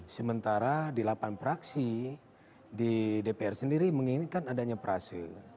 sementara delapan fraksi di dpr sendiri menginginkan adanya prase